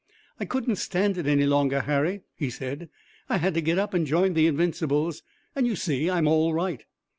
"I couldn't stand it any longer, Harry," he said. "I had to get up and join the Invincibles, and you see I'm all right."